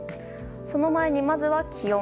その前にまずは気温。